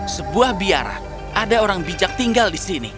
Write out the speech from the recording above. sebuah biara ada orang bijak tinggal di sini